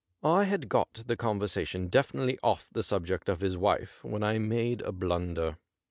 I had got the conversation definitely off the subject of his wife when 1 made a blunder.